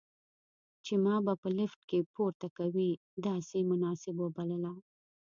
چې ما به په لفټ کې پورته کوي، داسې یې مناسب وبلله.